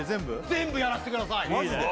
全部やらしてくださいマジで？